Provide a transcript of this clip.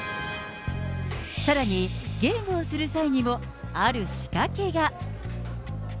さらに、ゲームをする際にもある仕掛けが。